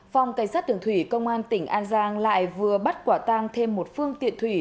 phòng cảnh sát đường thủy công an tỉnh an giang lại vừa bắt quả tang thêm một phương tiện thủy